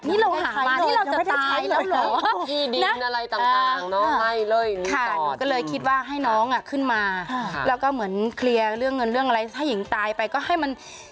นี่เราหามาที่เราจะตายแล้วเหรอ